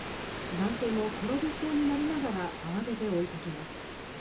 男性も転びそうになりながら慌てて追いかけます。